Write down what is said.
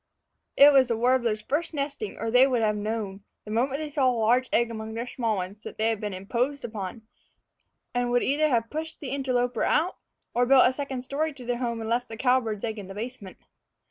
It was the warblers' first nesting, or they would have known, the moment they saw the large egg among their small ones, that they had been imposed upon, and would either have pushed the interloper out or built a second story to their home and left the cowbird's egg in the basement.